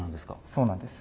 そうなんです。